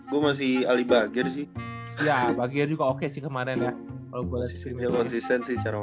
gue masih ali bagir sih ya bagian juga oke sih kemarin ya kalau gue sih sih cara main tapi kemarin